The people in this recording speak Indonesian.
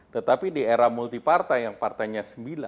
tetapi di era multipartai yang partainya sembilan